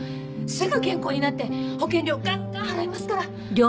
すぐ健康になって保険料ガンガン払いますから。